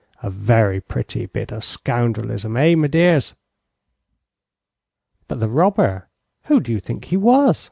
A very pretty bit of scoundrelism; eh, me dears?" "But the robber who do you think he was?"